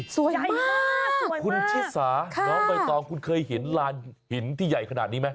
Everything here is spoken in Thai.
สวยใหญ่มากสวยคุณชิสาน้องใบตองคุณเคยเห็นลานหินที่ใหญ่ขนาดนี้ไหม